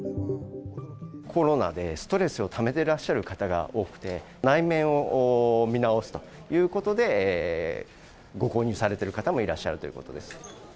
コロナで、ストレスをためてらっしゃる方が多くて、内面を見直すということで、ご購入されてる方もいらっしゃるということです。